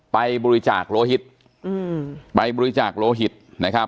ไปบริจาคโลหิตไปบริจาคโลหิตนะครับ